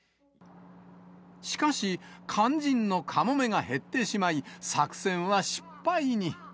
しかし、肝心のカモメが減ってしまい、作戦は失敗に。